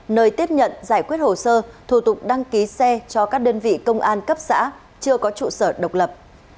nơi tiếp nhận giải quyết hồ sơ thủ tục đăng ký xe cho các đơn vị công an cấp xã chưa có trụ sở độc lập